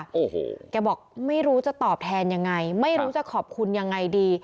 โอ้โหแกบอกไม่รู้จะตอบแทนยังไงไม่รู้จะขอบคุณยังไงดี